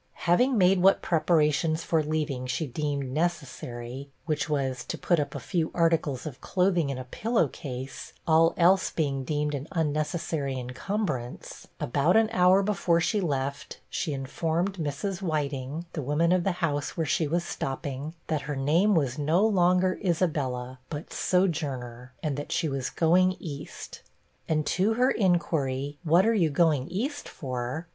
Having made what preparations for leaving she deemed necessary, which was, to put up a few articles of clothing in a pillow case, all else being deemed an unnecessary incumbrance, about an hour before she left, she informed Mrs. Whiting, the woman of the house where she was stopping, that her name was no longer Isabella, but SOJOURNER; and that she was going east. And to her inquiry, 'What are you going east for?'